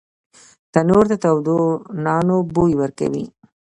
تنور د تودو نانو بوی ورکوي